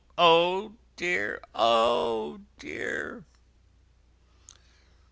O dear, O dear!"